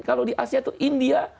kalau di asia atau india